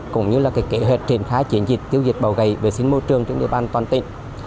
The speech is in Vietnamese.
cũng như kế hoạch triển khai triển dịch tiêu diệt bầu gầy vệ sinh môi trường trên địa bàn toàn tỉnh